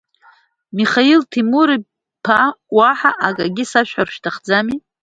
Михаил Темурович, уаҳа акгьы сашәҳәар шәҭахӡами?